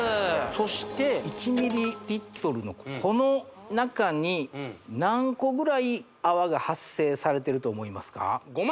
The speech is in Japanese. そして１ｍｌのこの中に何個ぐらい泡が発生されてると思いますか？